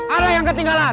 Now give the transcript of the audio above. ada yang ketinggalan